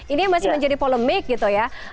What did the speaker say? ini masih menjadi polemik gitu ya